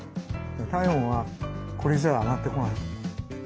体温はこれじゃ上がってこない。